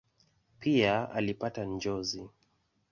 Pia alipata njozi.